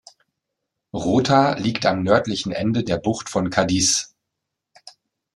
Rota liegt am nördlichen Ende der Bucht von Cádiz.